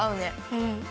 うん。